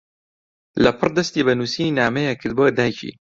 لەپڕ دەستی بە نووسینی نامەیەک کرد بۆ دایکی.